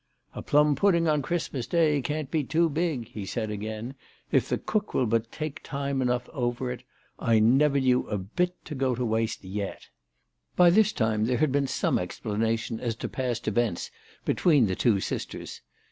" A plum pudding on Christmas Day can't be too big," he said again, " if the cook will but take time enough over it. I never knew a bit go to waste yet." By this time there had been some explanation as to past events between the two sisters.